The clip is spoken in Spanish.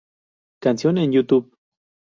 Canción en Youtube